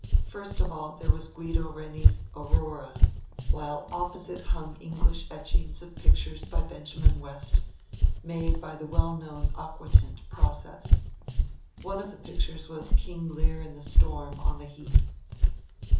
First of all there was Guido Reni's Aurora, while opposite it hung English etchings of pictures by Benjamin West, made by the well known aquatint pro cess. One of the pictures was King Lear in the storm on the heath.